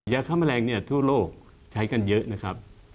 ยาค้าแมลงทั่วโลกใช้กันเยอะนะครับ